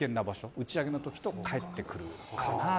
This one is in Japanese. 打ち上げの時と帰ってくる時かなと。